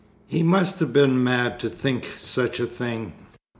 He must have been mad to think such a thing.